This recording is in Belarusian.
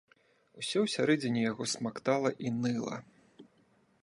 Усё ўсярэдзіне яго смактала і ныла.